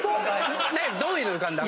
どういうの浮かんだ？